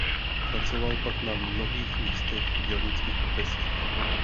Pracoval pak na mnohých místech v dělnických profesích.